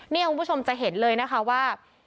นี่คุณผู้ชมจะเห็นเลยนะคะว่า